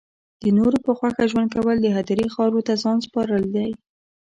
د نورو په خوښه ژوند کول د هدیرې خاورو ته ځان سپارل دی